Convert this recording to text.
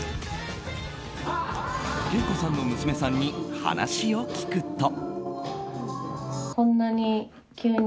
ＫＥＩＫＯさんの娘さんに話を聞くと。